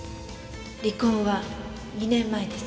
離婚は２年前です。